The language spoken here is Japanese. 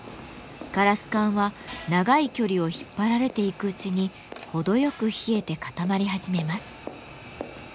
ガラス管は長い距離を引っ張られていくうちに程よく冷えて固まり始めます。